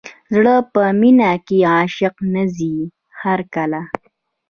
زړه په مینه کې عاشق نه ځي هر کله.